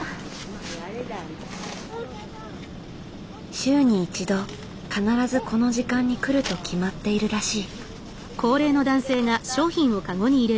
週に一度必ずこの時間に来ると決まっているらしい。